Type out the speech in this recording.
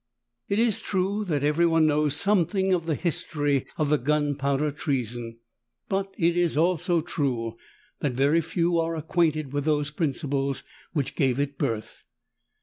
It is true that every one knows something of the history of the Gunpowder Treason: but it is also true, that very few are acquainted with those principles which gave it birth.